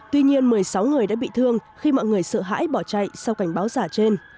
tuy nhiên một mươi sáu người đã bị thương khi mọi người sợ hãi bỏ chạy sau cảnh báo giả trên